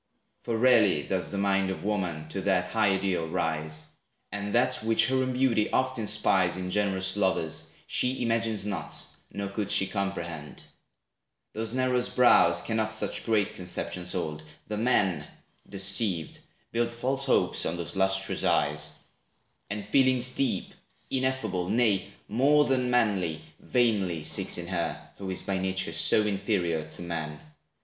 For rarely does the mind Of woman to that high ideal rise; And that which her own beauty oft inspires In generous lovers, she imagines not, Nor could she comprehend. Those narrow brows, Cannot such great conceptions hold. The man, Deceived, builds false hopes on those lustrous eyes, And feelings deep, ineffable, nay, more Than manly, vainly seeks in her, who is By nature so inferior to man.